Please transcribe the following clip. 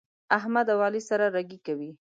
احمد او علي سره رګی کوي.